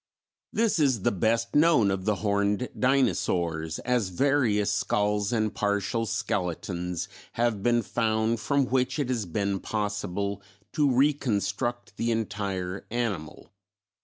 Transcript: This is the best known of the Horned Dinosaurs, as various skulls and partial skeletons have been found from which it has been possible to reconstruct the entire animal.